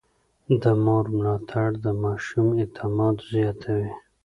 د مور ملاتړ د ماشوم اعتماد زياتوي.